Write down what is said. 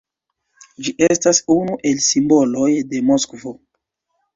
Ĝi estas unu el simboloj de Moskvo.